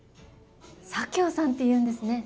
左京さんっていうんですね。